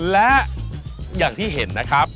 และอย่างที่เห็นนะครับ